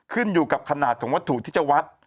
ขึ้นอยู่กับขนาดของวัตถุที่จะวัด